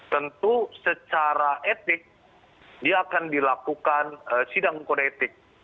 tentu secara etik dia akan dilakukan sidang kode etik